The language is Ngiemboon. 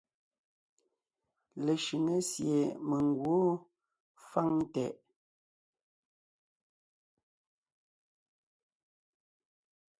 Leshʉŋé sie mèŋ gwǒon fáŋ tɛʼ.